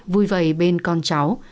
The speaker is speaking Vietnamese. vui vầy bên con cháu